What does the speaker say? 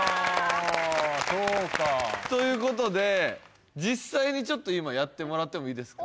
そうかということで実際にちょっと今やってもらってもいいですか？